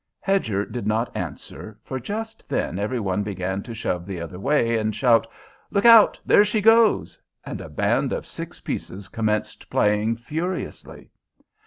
Hedger did not answer, for just then every one began to shove the other way and shout, "Look out. There she goes!" and a band of six pieces commenced playing furiously.